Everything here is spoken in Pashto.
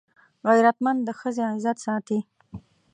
غیرتمند د ښځې عزت ساتي